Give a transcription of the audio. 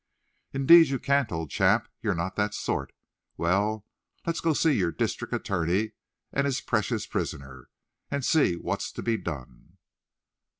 "Indeed, you can't, old chap. You're not that sort. Well, let's go to see your district attorney and his precious prisoner, and see what's to be done."